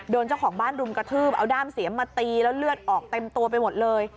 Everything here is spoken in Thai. เจ้าของบ้านรุมกระทืบเอาด้ามเสียมมาตีแล้วเลือดออกเต็มตัวไปหมดเลย